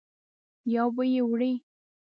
یو به یې وړې.